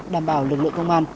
đảm bảo lực lượng công an